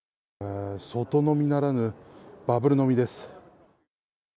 外飲みならぬバブル飲みです。